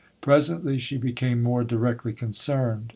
Presently she became more directly concerned.